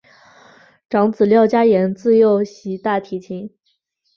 长子廖嘉言自幼习大提琴。